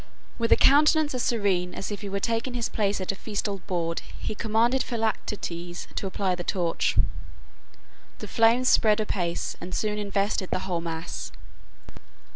With a countenance as serene as if he were taking his place at a festal board he commanded Philoctetes to apply the torch. The flames spread apace and soon invested the whole mass.